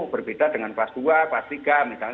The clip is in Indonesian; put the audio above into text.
berbeda dengan kelas dua kelas tiga misalnya